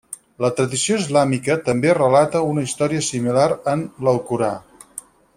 La tradició islàmica també relata una història similar en l'Alcorà.